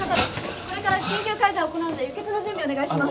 これから緊急カイザーを行うので輸血の準備お願いします。